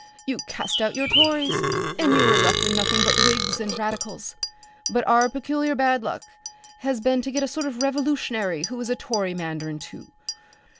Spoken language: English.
You cast out your Tories, and you were left with nothing but Whigs and Radicals. But our peculiar bad luck has been to get a sort of revolutionary who is a Tory mandarin too.